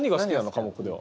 科目では。